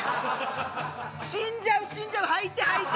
死んじゃう死んじゃう吐いて吐いて！